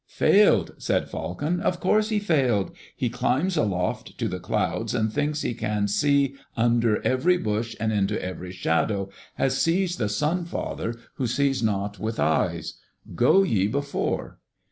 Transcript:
"Failed!" said Falcon. "Of course he failed. He climbs aloft to the clouds and thinks he can see under every bush and into every shadow, as sees the Sunfather who sees not with eyes. Go ye before."